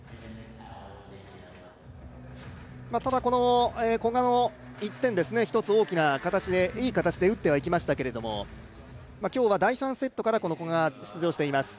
ただ、古賀の１点、１つ大きな形で、いい形で打ってはいきましたけども今日は第３セットから古賀が出場しています。